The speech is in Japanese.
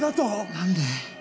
何で？